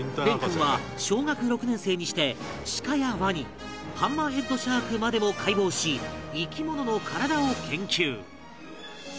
蓮君は小学６年生にして鹿やワニハンマーヘッドシャークまでも解剖し生き物の体を研究